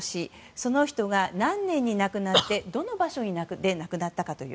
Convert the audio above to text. その人が何年に亡くなってどの場所で亡くなったかという。